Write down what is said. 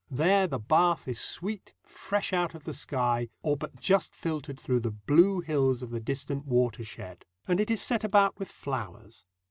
There the bath is sweet, fresh out of the sky, or but just filtered through the blue hills of the distant water shed; and it is set about with flowers.